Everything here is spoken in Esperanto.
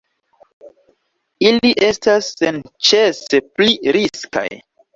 Ili estas senĉese pli riskaj.